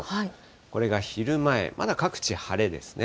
これが昼前、まだ各地、晴れですね。